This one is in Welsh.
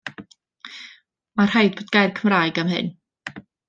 Mae'n rhaid bod gair Cymraeg am hyn?